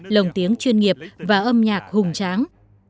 lồng tiếng chuyên nghiệp và âm nhạc hùng tráng